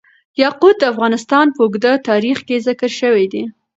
یاقوت د افغانستان په اوږده تاریخ کې ذکر شوی دی.